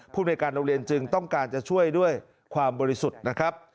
ในการโรงเรียนจึงต้องการจะช่วยด้วยความบริสุทธิ์นะครับ